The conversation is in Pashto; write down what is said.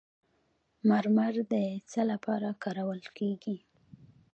مرمر د څه لپاره کارول کیږي؟